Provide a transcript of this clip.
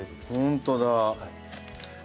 本当だ！